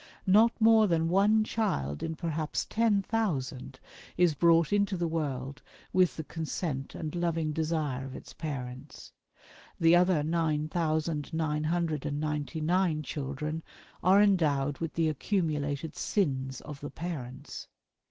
Not more than one child in perhaps ten thousand is brought into the world with the consent and loving desire of its parents. The other nine thousand, nine hundred, and ninety nine children are endowed with the accumulated sins of the parents.